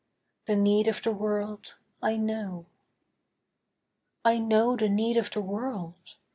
The need of the world I know. I know the need of the world.